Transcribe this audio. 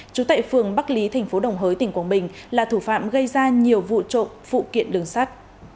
chủ tệ phường bắc lý tp đồng hới tỉnh quảng bình là thủ phạm gây ra nhiều vụ trộm phụ kiện lương sát